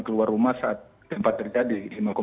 keluar rumah saat gempa terjadi